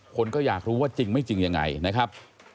คนก็อยากรู้ว่าจริงไม่จริงยังไงนะครับ